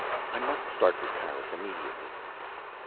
I must start for Paris immediately.